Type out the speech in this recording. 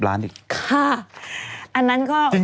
ค่ะอันนั้นก็ชุดละมุนกันบางส่วน